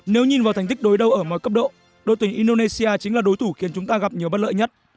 nếu nhìn vào thành tích đối đâu ở mọi cấp độ đội tuyển indonesia chính là đối thủ khiến chúng ta gặp nhiều bất lợi nhất